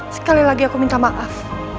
sekali lagi aku minta maaf